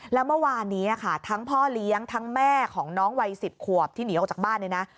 แล้วเมื่อวานนี้ค่ะทั้งพ่อเลี้ยงทั้งแม่ของน้องวัย๑๐ขวบที่หนีออกจากบ้านเนี่ยนะ